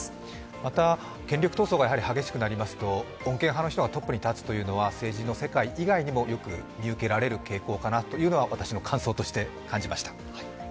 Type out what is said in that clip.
また権力闘争が激しくなりますと穏健派の人がトップに立つことは政治の世界以外にもよく見受けられる傾向かなというのは私の感想として感じました。